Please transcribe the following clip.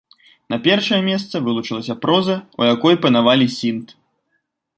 На першае месца вылучылася проза, у якой панавалі сінт.